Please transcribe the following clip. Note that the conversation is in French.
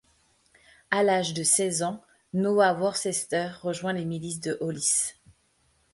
À l'âge de seize ans, Noah Worcester rejoint les milices de Hollis.